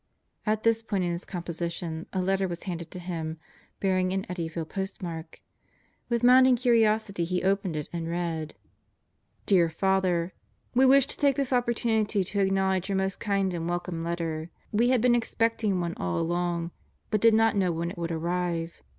At this point in his composition a letter was handed to him bearing an Eddyville postmark. With mounting curiosity he opened it and read: Dear Father: We wish to take this opportunity to acknowledge your most kind and welcome letter. We had been expecting one all along, but did not know when it would arrive.